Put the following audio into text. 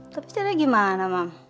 tapi caranya gimana mam